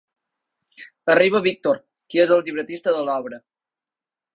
Arriba Víctor, qui és el llibretista de l'obra.